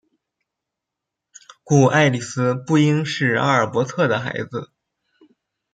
故爱丽丝不应是阿尔伯特的孩子。